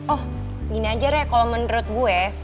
oh gini aja rek kalau menurut gue